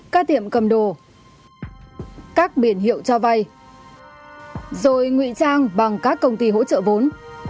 các tiệm cầm đồ các biển hiệu cho vay rồi ngụy trang bằng các công ty hỗ trợ vốn